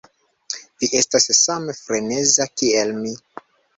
Vi estas same freneza, kiel mi.